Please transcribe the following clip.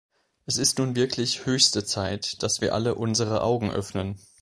Es ist nun wirklich höchste Zeit, dass wir alle unsere Augen öffnen.